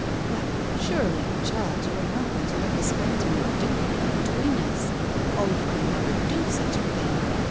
"But but surely, child, you are not going to let this phantom of duty come between us? Oh, you can never do such a thing!